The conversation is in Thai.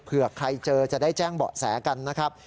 เผื่อใครเจอจะได้แจ้งเบาะแสกันนะครับ